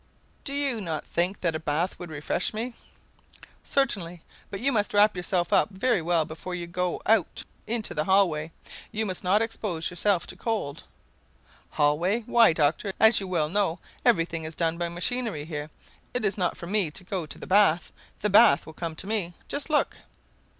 Do you not think that a bath would refresh me?" "Certainly. But you must wrap yourself up well before you go out into the hall way. You must not expose yourself to cold." "Hall way? Why, Doctor, as you well know, everything is done by machinery here. It is not for me to go to the bath; the bath will come to me. Just look!"